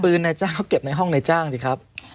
นายจ้างเขาเก็บในห้องนายจ้างสิครับ